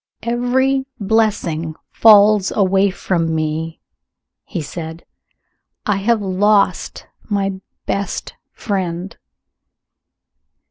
"Every blessing falls away from me," he said. "I have lost my best friend."